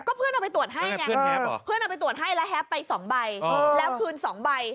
เพื่อนเอาไปตรวจให้ไงเพื่อนเอาไปตรวจให้แล้วแฮปไป๒ใบแล้วคืน๒ใบ